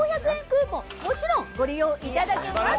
クーポンもちろんご利用いただけます。